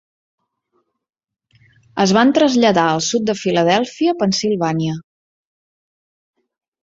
Es van traslladar al sud de Filadèlfia, Pennsilvània.